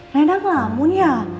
rena ngelamun ya